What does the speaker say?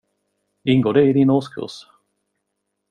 Ingår det i din årskurs?